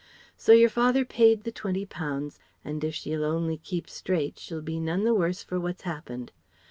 So your father paid the twenty pounds, and if she'll only keep straight she'll be none the worse for what's happened.